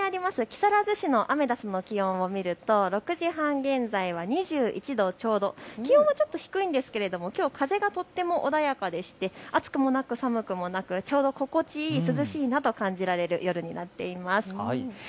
木更津市のアメダスの気温を見ると６時半現在は２１度ちょうど、気温は低いんですが風がとても穏やかで暑くもなく寒くもなくちょうど心地よい涼しいなと感じられる夜になっています。